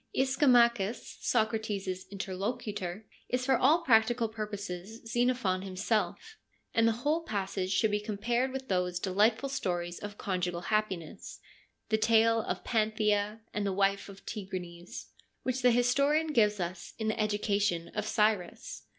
Ischomacbus, Socrates' interlocutor, is for all practical purposes Xenophon himself, and the whole passage should be compared with those delightful stories of conjugal happiness — the tale of Panthea, and the wife of Tigranes — which the historian gives us in the Education of Cyrus.